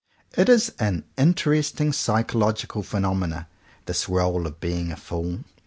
It is an interesting psychological phenomenon — this role of being a fool.